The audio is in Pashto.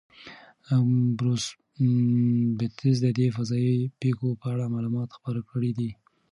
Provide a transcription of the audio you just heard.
بروس بتز د دې فضایي پیښو په اړه معلومات خپاره کړي دي.